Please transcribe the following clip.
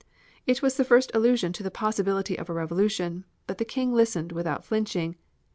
It was the first allusion to the possibility of a revolution, but the King listened without flinching.